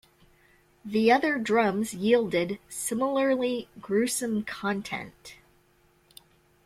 The other drums yielded similarly gruesome content.